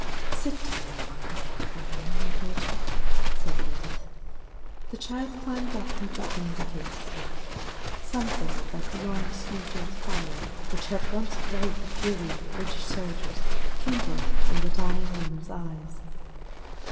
"Sit down upon the bed by me, my daughter," said Edith. The child climbed up and took the indicated seat. Something of that long smothered fire, which had once braved the fury of the British soldiers, kindled in the dying woman's eyes.